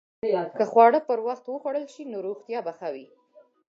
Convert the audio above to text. که خواړه پر وخت وخوړل شي، نو روغتیا به ښه وي.